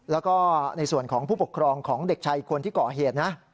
แล้วก็ในส่วนของผู้ปกครองของเด็กชายอีกคนที่ก่อเหตุนะ